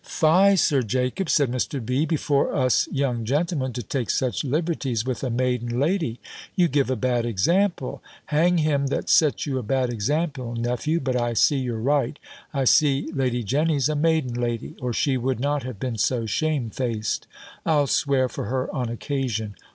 "Fie, Sir Jacob!" said Mr. B.; "before us young gentlemen, to take such liberties with a maiden lady! You give a bad example." "Hang him that sets you a bad example, nephew. But I see you're right; I see Lady Jenny's a maiden lady, or she would not have been so shamefaced. I'll swear for her on occasion.